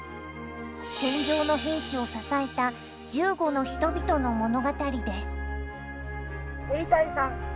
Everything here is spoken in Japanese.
戦場の兵士を支えた銃後の人々の物語です。